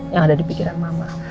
yang ada di pikiran mama